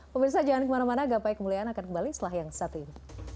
pemirsa jangan kemana mana gapai kemuliaan akan kembali setelah yang satu ini